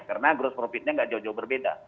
karena gross profitnya nggak jauh jauh berbeda